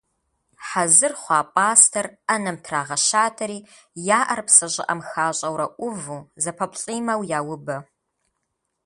Хьэзыр хъуа пӏастэр ӏэнэм трагъэщатэри я ӏэр псы щӏыӏэм хащӏэурэ ӏуву, зэпэплӏимэу яубэ.